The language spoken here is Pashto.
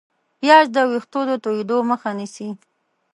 پیاز د ویښتو د تویېدو مخه نیسي